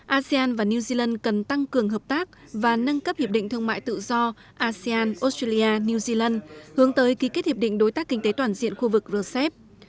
asean và new zealand cần tăng cường hợp tác và nâng cấp hiệp định thương mại tự do asean australia new zealand hướng tới ký kết hiệp định đối tác kinh tế toàn diện khu vực rcep